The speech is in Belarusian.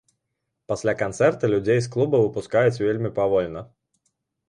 Пасля канцэрта людзей з клуба выпускаюць вельмі павольна.